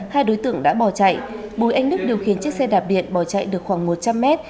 hai đối tượng đã bò chạy bùi ánh đức điều khiến chiếc xe đạp điện bò chạy được khoảng một trăm linh mét